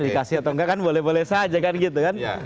dikasih atau enggak kan boleh boleh saja kan gitu kan